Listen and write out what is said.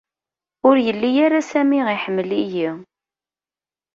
Ur yelli-y-ara Sami i ḥemmel-iyi.